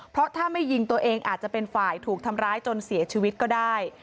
เพราะถ้าไม่ยิงตัวเองอาจจะเป็นฝ่ายถูกทำร้ายจนเสียชีวิตก็ได้